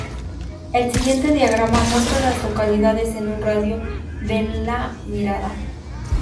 El siguiente diagrama muestra a las localidades en un radio de de La Mirada.